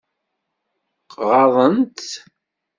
Ɣaḍent-t?